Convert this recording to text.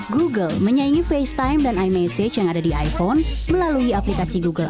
google menyaingi facetime dan imessage yang ada di iphone melalui aplikasi google